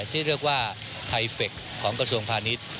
ที่เรียกว่าไทเฟคของกระทรวงพาณิชย์